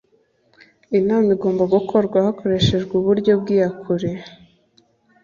Inama igomba gukorwa hakoreshejwe uburyo bw’iyakure